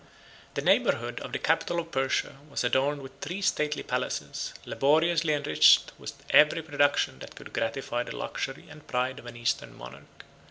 The neighborhood of the capital of Persia was adorned with three stately palaces, laboriously enriched with every production that could gratify the luxury and pride of an Eastern monarch.